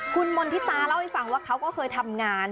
คุณมณฑิตาเล่าให้ฟังว่าเขาก็เคยทำงาน